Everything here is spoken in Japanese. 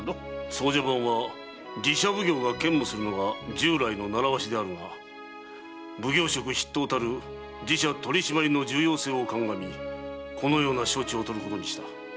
奏者番は寺社奉行が兼務するのが従来の習わしであるが奉行職筆頭たる寺社取締りの重要性を鑑みこのような処置を取ることにした。